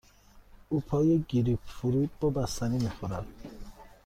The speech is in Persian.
او پای گریپ فروت با بستنی می خورد.